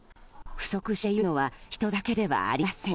不足しているのは人だけではありません。